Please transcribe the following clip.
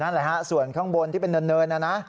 นั่นแหละฮะส่วนข้างบนที่เป็นเนินนะนะ